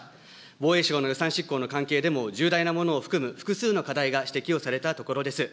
防衛省の予算執行の関係でも重大なものを含む複数の課題が指摘をされたところです。